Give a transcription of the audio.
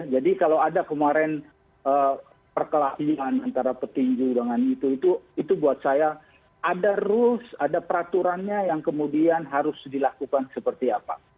jadi kalau ada kemarin perkelahian antara petinju dengan itu itu buat saya ada rules ada peraturannya yang kemudian harus dilakukan seperti apa